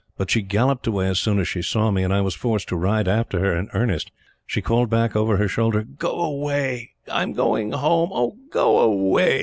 But she galloped away as soon as she saw me, and I was forced to ride after her in earnest. She called back over her shoulder "Go away! I'm going home. Oh, go away!"